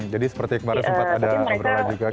jadi seperti kemarin sempat ada berolah juga kita